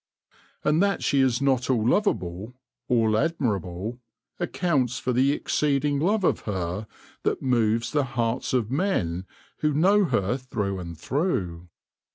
And that she is not all lovable, all admirable, accounts for the exceeding love of her that moves the hearts of men who know her through and through.